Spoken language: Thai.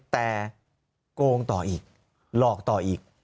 แต่โกงต่ออีกหลอกต่ออีก